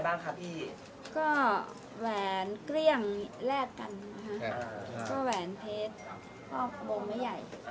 บังม่าย่าย